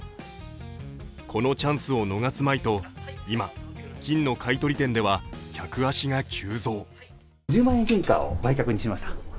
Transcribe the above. このチャンスを逃すまいと、今、金の買い取り店では客足が急増。